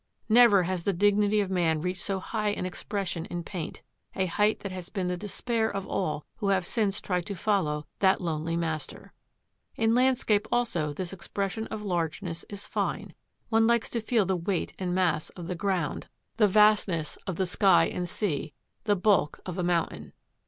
Never has the dignity of man reached so high an expression in paint, a height that has been the despair of all who have since tried to follow that lonely master. In landscape also this expression of largeness is fine: one likes to feel the weight and mass of the ground, the vastness of the sky and sea, the bulk of a mountain.